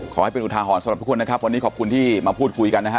ขอให้เป็นอุทาหรณ์สำหรับทุกคนนะครับวันนี้ขอบคุณที่มาพูดคุยกันนะฮะ